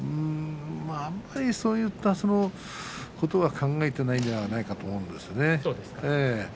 あまりそういったことは考えていないのではないかと思うんですよね。